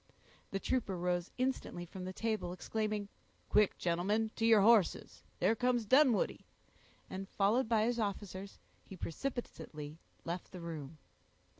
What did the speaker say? The trooper rose instantly from the table, exclaiming,— "Quick, gentlemen, to your horses; there comes Dunwoodie," and, followed by his officers, he precipitately left the room.